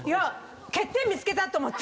欠点見つけたと思って。